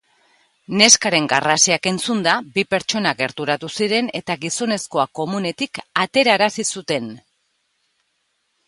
Neskaren garrasiak entzunda, bi pertsona gerturatu ziren eta gizonezkoa komunetik aterarazi zuten.